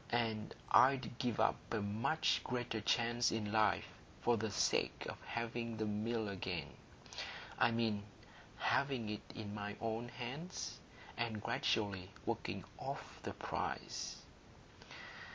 And I'd give up a much greater chance in life for the sake of having the Mill again,—I mean having it in my own hands, and gradually working off the price."